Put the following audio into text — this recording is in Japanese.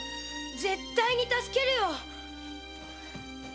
絶対に助けるよ。